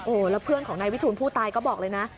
แล้วเพื่อนของนายวิทูลผู้ตายก็บอกเลยนะ